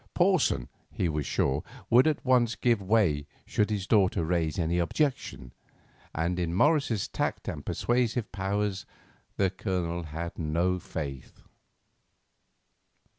Porson, he was sure, would at once give way should his daughter raise any objection, and in Morris's tact and persuasive powers the Colonel had no faith.